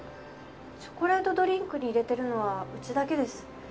チョコレートドリンクに入れてるのはうちだけです。